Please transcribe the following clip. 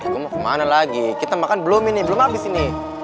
gue mau kemana lagi kita makan belum ini belum habis ini